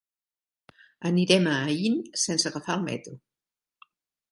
Anirem a Aín sense agafar el metro.